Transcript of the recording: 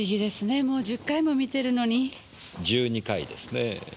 １２回ですねぇ。